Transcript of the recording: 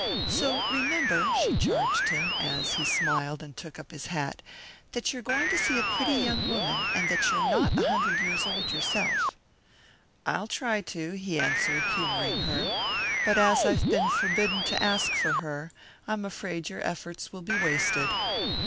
So remember," she charged him, as he smiled and took up his hat, "that you're going to see a pretty young woman, and that you're not a hundred years old yourself." "I'll try to," he answered, humouring her, "but as I've been forbidden to ask for her, I am afraid your efforts will be wasted."